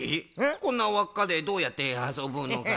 こんなわっかでどうやってあそぶのかな？